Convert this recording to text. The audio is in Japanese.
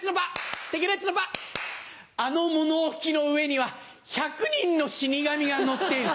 あの物置の上には１００人の死神が乗っている。